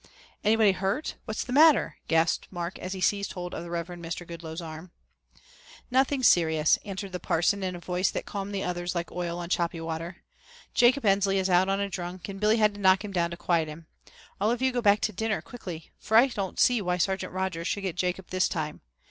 "Anybody hurt? What's the matter?" gasped Mark as he seized hold of the Reverend Mr. Goodloe's arm. "Nothing serious," answered the parson in a voice that calmed the others like oil on choppy water. "Jacob Ensley is out on a drunk and Billy had to knock him down to quiet him. All of you go back to dinner quickly, for I don't see why Sergeant Rogers should get Jacob this time.